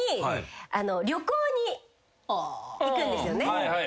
はいはい。